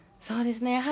そうですね。